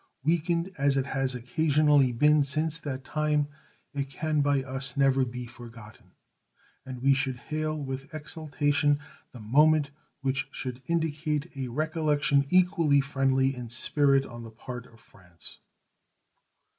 Weakened as it has occasionally been since that time, it can by us never be forgotten, and we should hail with exultation the moment which should indicate a recollection equally friendly in spirit on the part of France.